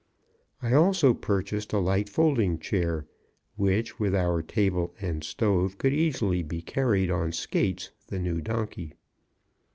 I also purchased a light folding chair, which, with our table and stove, could easily be carried on Skates, the new donkey.